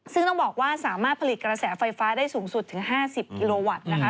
ซึ่งต้องบอกว่าสามารถผลิตกระแสไฟฟ้าได้สูงสุดถึง๕๐กิโลวัตต์นะคะ